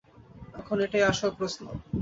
এখন, এটাই আসল প্রশ্ন।